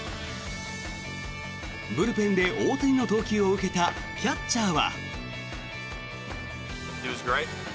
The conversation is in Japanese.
ブルペンで大谷の投球を受けたキャッチャーは。